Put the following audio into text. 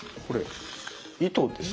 糸ですか？